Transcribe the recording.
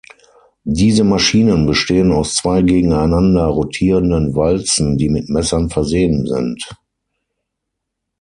Diese Maschinen bestehen aus zwei gegeneinander rotierenden Walzen, die mit Messern versehen sind.